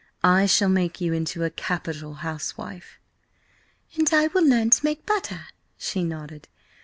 "I shall make you into a capital housewife!" "And I will learn to make butter," she nodded.